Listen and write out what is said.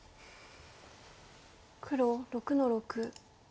黒６の六。